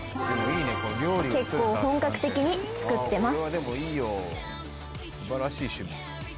「結構本格的に作ってます」